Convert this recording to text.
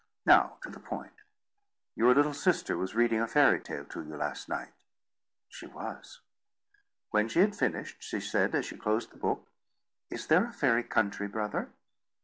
Now, to the point. Your little sister was reading a fairy tale to you last night." "She was." "When she had finished, she said, as she closed the book, 'Is there a fairy country, brother?